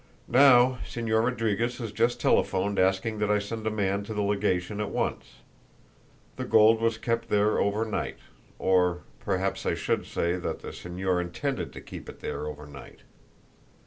Now, Señor Rodriguez has just telephoned asking that I send a man to the legation at once. The gold was kept there over night; or perhaps I should say that the señor intended to keep it there over night."